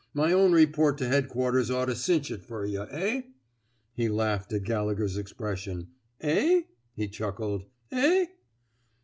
My own report to Headquarters ought to cinch it fer yuh, eh! " He laughed at Gallegher 's expression. Eh? " he chuckled. ^^ Eh!